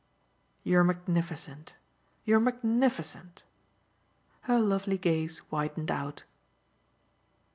"You're magnificent. You're magnificent." Her lovely gaze widened out.